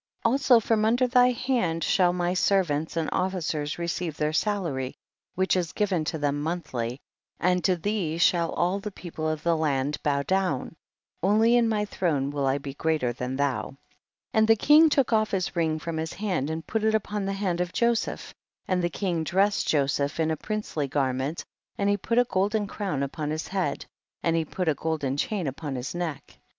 22. Also from under thy hand shall my servants and officers receive their salary which is given to them month ly, and to thee sliall all the people of the land bow down ; only in my throne will I be greater than thou. 23. And the king took off his ring from his hand and put it upon the hand of Joseph, and the king dressed Joseph in a princely garment, and he put a golden crown upon his head, and he put a golden chain upon his neck.